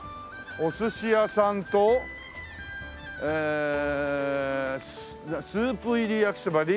おすし屋さんとえー「スープ入りやきそば凜凜」。